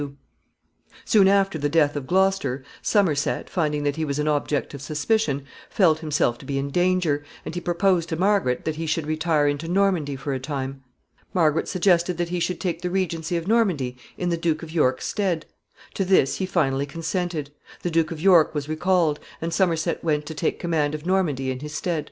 [Sidenote: Somerset.] Soon after the death of Gloucester, Somerset, finding that he was an object of suspicion, felt himself to be in danger, and he proposed to Margaret that he should retire into Normandy for a time. Margaret suggested that he should take the regency of Normandy in the Duke of York's stead. To this he finally consented. The Duke of York was recalled, and Somerset went to take command of Normandy in his stead.